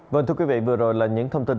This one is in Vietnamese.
vâng thưa quý vị vừa rồi là những thông tin